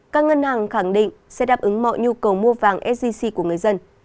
các ngân hàng khẳng định sẽ đáp ứng mọi nhu cầu mua vàng sgc của người dân